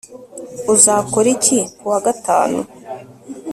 uzakora iki kuwa gatanu